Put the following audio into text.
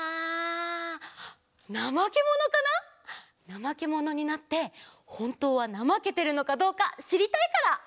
ナマケモノになってほんとうはなまけてるのかどうかしりたいから！